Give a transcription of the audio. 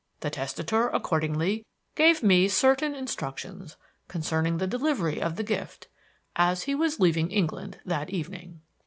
The testator accordingly gave me certain instructions concerning the delivery of the gift, as he was leaving England that evening."